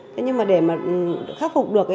thế nhưng mà để mà khắc phục được